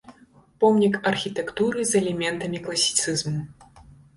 Помнік архітэктуры з элементамі класіцызму.